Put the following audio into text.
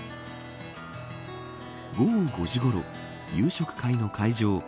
午後５時ごろ夕食会の会場